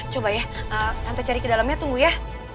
coba ya tante cari ke dalamnya tunggu ya